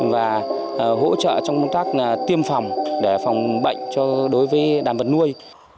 và hỗ trợ trong các tiêm phòng để phòng bệnh đối với đàn vật nuôi